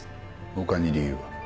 他に理由は？